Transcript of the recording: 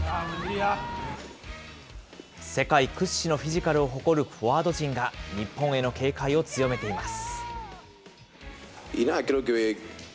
世界屈指のフィジカルを誇るフォワード陣が、日本への警戒を強めています。